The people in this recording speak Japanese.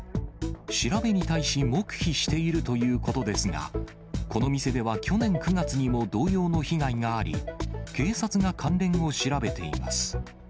調べに対し、黙秘しているということですが、この店では去年９月にも同様の被害があり、警察が関連を調べています。